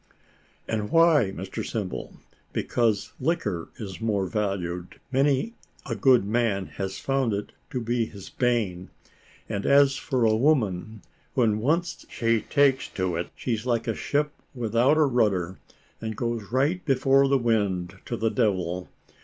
"And why, Mr Simple? because liquor is more valued. Many a good man has found it to be his bane; and as for a woman, when once she takes to it, she's like a ship without a rudder, and goes right before the wind to the devil.